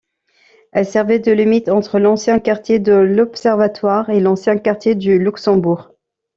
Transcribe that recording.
Elle servait de limite entre l'ancien, quartier de l'Observatoire, et l'ancien, quartier du Luxembourg.